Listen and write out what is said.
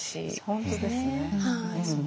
本当ですね。